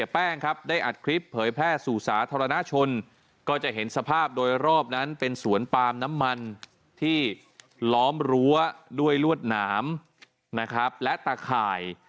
แป้งครับได้อัดคลิปเผยแพร่สู่สาธารณชนก็จะเห็นสภาพโดยรอบนั้นเป็นสวนปาล์มน้ำมันที่ล้อมรั้วด้วยลวดหนามนะครับและตะข่าย